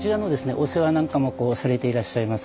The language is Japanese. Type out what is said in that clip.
お世話なんかもされていらっしゃいます